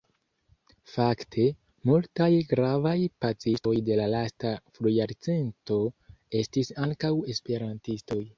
Fakte, multaj gravaj pacistoj de la lasta frujarcento estis ankaŭ esperantistoj.